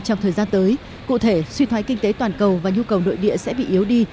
trong thời gian tới cụ thể suy thoái kinh tế toàn cầu và nhu cầu nội địa sẽ bị yếu đi